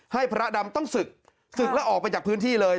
ให้พระดำต้องศึกศึกแล้วออกไปจากพื้นที่เลย